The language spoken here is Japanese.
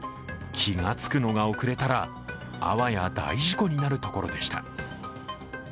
気が付くのがおくれたらあわや大事故になるところでした。